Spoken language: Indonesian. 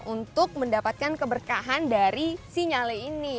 untuk mendapatkan keberkahan dari si nyale ini